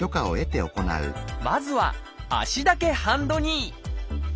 まずは「足だけハンドニー」